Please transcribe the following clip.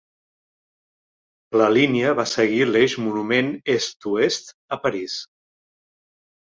La línia va seguir l'eix monument est-oest a París.